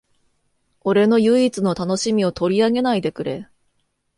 俺の唯一の楽しみを取り上げないでくれ